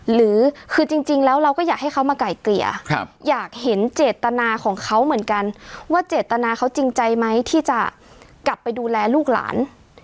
หรือคือจริงแล้วเราก็อยากให้เขามาไก่เกลี่ยอยากเห็นเจตนาของเขาเหมือนกันว่าเจตนาเขาจริงใจไหมที่จะกลับไปดูแลลูกหลาน